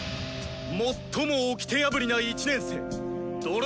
最もおきて破りな１年生？